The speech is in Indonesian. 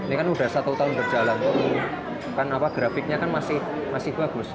ini kan sudah satu tahun berjalan kan grafiknya kan masih bagus